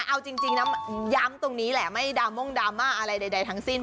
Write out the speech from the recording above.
เอาจริงนะย้ำตรงนี้แหละไม่ดราม่งดราม่าอะไรใดทั้งสิ้น